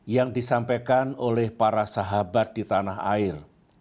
yang disampaikan oleh para sahabat di tanah air